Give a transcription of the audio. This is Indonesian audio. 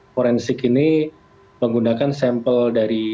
forensik ini menggunakan sampel dari